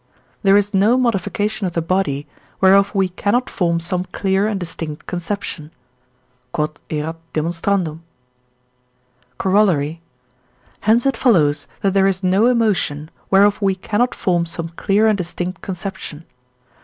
there is no modification of the body, whereof we cannot form some clear and distinct conception. Q.E.D. Corollary. Hence it follows that there is no emotion, whereof we cannot form some clear and distinct conception.